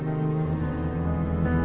kita gunakan diri